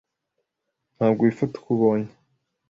ntabwo wifata uko ubonye